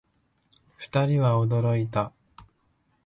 二人は驚いた